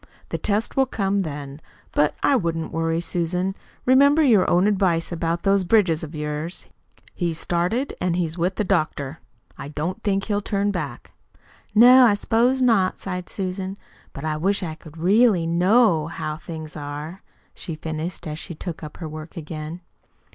The test will come then. But I wouldn't worry, Susan. Remember your own advice about those bridges of yours. He's started, and he's with the doctor. I don't think he'll turn back now." "No, I s'pose not," sighed Susan. "But I wish I could really KNOW how things are!" she finished, as she took up her work again.